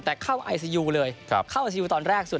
แต่เข้าไอซียูตอนแรกสุด